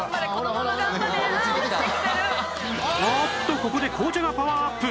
ここで紅茶がパワーアップ！